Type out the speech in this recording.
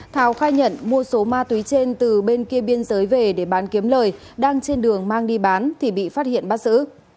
thảo khai nhận mua số ma túy trên từ bên kia biên giới về để bán kiếm lời đang trên đường mang đi bán thì bị phát hiện bắt giữ